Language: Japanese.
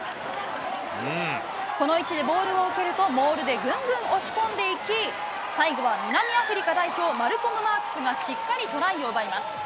この位置でボールを受けると、モールでぐんぐん押し込んでいき、最後は南アフリカ代表、マルコム・マークスがしっかりトライを奪います。